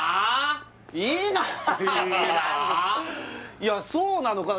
いやそうなのかな